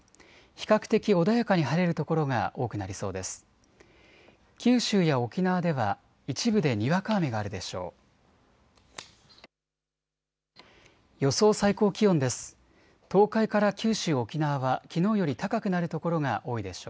比較的穏やかに晴れる所が多くなりそうです。